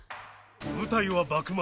舞台は幕末。